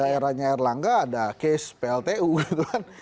daerahnya erlangga ada case pltu gitu kan